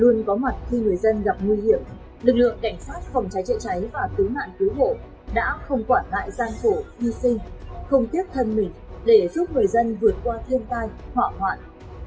luôn có mặt khi người dân gặp nguy hiểm lực lượng cảnh sát phòng cháy chạy cháy và cứu mạng cứu hộ đã không quản lại gian khổ như sinh không tiếc thân mình để giúp người dân vượt qua thiên tai họa hoạn